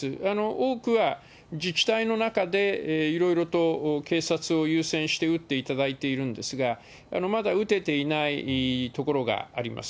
多くは自治体の中でいろいろと警察を優先して打っていただいているんですが、まだ打てていないところがあります。